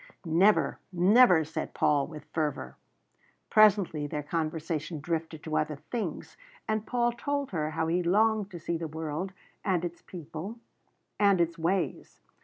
"Never, never!" said Paul, with fervour. Presently their conversation drifted to other things, and Paul told her how he longed to see the world and its people and its ways.